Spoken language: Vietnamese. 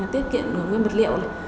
tiết kiệm nguyên vật liệu